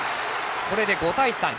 これで５対３。